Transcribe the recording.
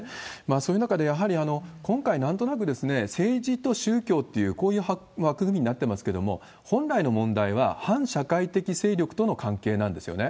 そういう中で、やはり今回なんとなく政治と宗教っていう、こういう枠組みになってますけども、本来の問題は、反社会的勢力との関係なんですよね。